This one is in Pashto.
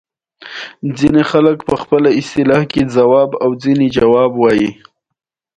بیا د ونو تر سیوري لاندې راتېر شول.